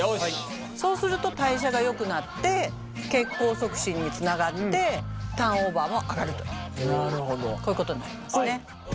そうすると代謝がよくなって血行促進につながってターンオーバーも上がるというこういうことになりますね。